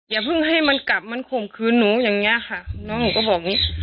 อย่าเพิ่งให้มันกลับมันข่มขืนหนูอย่างเงี้ยค่ะน้องหนูก็บอกอย่างงี้